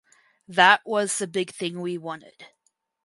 That was the big thing we wanted.